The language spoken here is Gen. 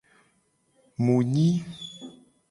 Mu nyi.